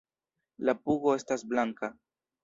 La pugo estas blanka.